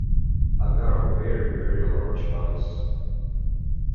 I've got a very, very large house.